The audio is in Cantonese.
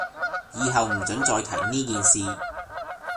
以後唔准再提呢件事